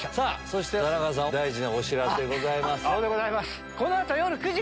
そして田中さん大事なお知らせございます。